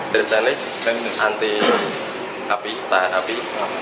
dari tenis anti api tahan api